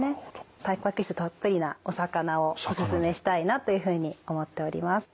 たんぱく質たっぷりなお魚をおすすめしたいなというふうに思っております。